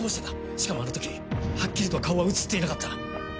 しかもあの時はっきりとは顔は映っていなかった。